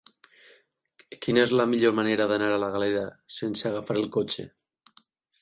Quina és la millor manera d'anar a la Galera sense agafar el cotxe?